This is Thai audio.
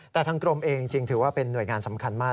แต่ทางกรมเองจริงถือว่าเป็นหน่วยงานสำคัญมาก